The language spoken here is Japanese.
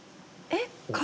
えっ！